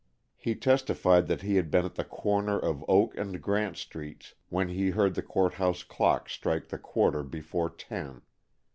He testified that he had been at the corner of Oak and Grant Streets when he heard the Court House clock strike the quarter before ten.